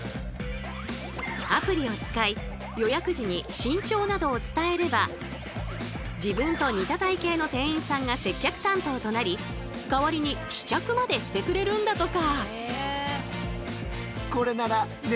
アプリを使い予約時に身長などを伝えれば自分と似た体型の店員さんが接客担当となり代わりに試着までしてくれるんだとか。